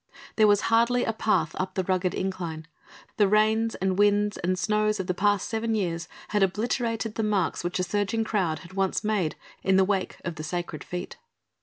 There was hardly a path up the rugged incline, the rains and winds and snows of the past seven years had obliterated the marks which a surging crowd had once made in the wake of the sacred feet.